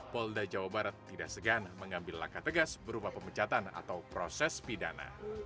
polda jawa barat tidak segan mengambil langkah tegas berupa pemecatan atau proses pidana